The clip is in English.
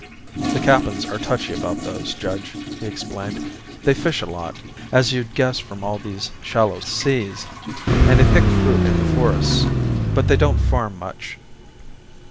"The Kappans are touchy about those, Judge," he explained, "They fish a lot, as you'd guess from all these shallow seas, and they pick fruit in the forests; but they don't farm much."